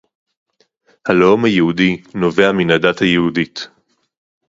הלאום היהודי נובע מן הדת היהודית